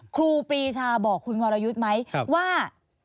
ครูปีชาบอกคุณวรยุทธ์ไหมว่า